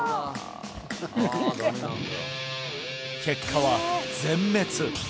結果は全滅！